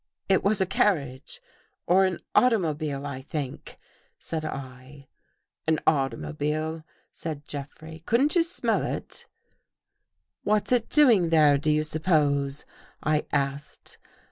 " It was a carriage or an automobile, I think," said I. " An automobile," said Jeffrey. " Couldn't you smell it?" ''What's it doing there, do you suppose?" I asked.